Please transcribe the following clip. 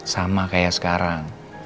sama kayak sekarang